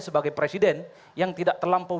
sebagai presiden yang tidak terlampau